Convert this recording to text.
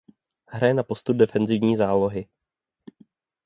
Hraje na postu defenzivní zálohy.